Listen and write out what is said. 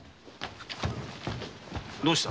どうした？